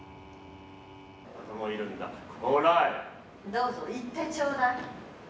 ・どうぞ言ってちょうだい。